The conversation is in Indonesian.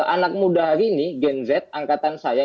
anak muda hari ini gen z angkatan saya